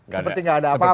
seperti gak ada apa apa gitu